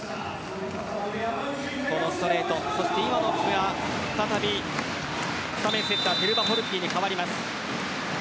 このストレートそしてイワノフが再びスタメンセッターテルバポルッティに代わります。